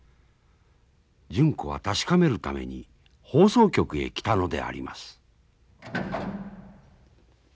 純子は確かめるために放送局へ来たのであります。